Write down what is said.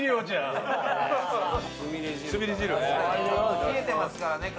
冷えてますからね体。